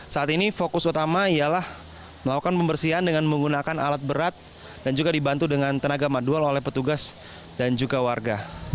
saat ini fokus utama ialah melakukan pembersihan dengan menggunakan alat berat dan juga dibantu dengan tenaga madual oleh petugas dan juga warga